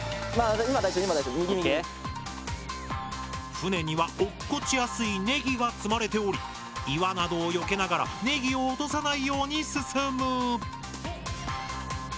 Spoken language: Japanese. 舟には落っこちやすいネギが積まれており岩などをよけながらネギを落とさないように進む。